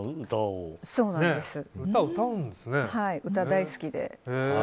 歌、大好きで。